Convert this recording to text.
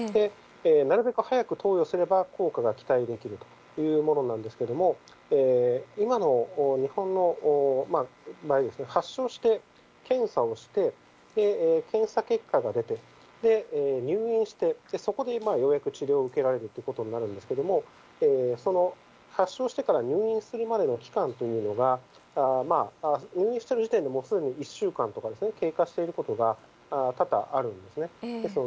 なるべく早く投与すれば効果が期待できるというものなんですけれども、今の日本の場合、発症して、検査をして、検査結果が出て、入院して、そこでようやく治療を受けられるということになるんですけれども、その発症してから入院するまでの期間というのが、入院している時点ですでに１週間とか経過していることが、多々あるんですね。